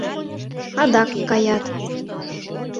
Адак каят.